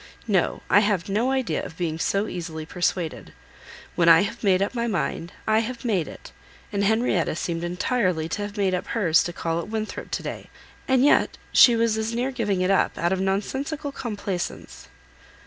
No, I have no idea of being so easily persuaded. When I have made up my mind, I have made it; and Henrietta seemed entirely to have made up hers to call at Winthrop to day; and yet, she was as near giving it up, out of nonsensical complaisance!"